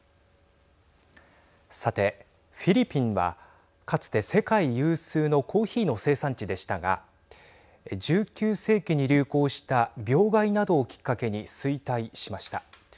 さて、フィリピンはかつて世界有数のコーヒーの生産地でしたが１９世紀に流行した病害などをきっかけに衰退しました。